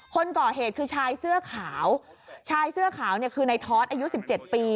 คนก่อเหตุคือชายเสื้อขาวชายเสื้อขาวเนี่ยคือในทอดอายุสิบเจ็ดปี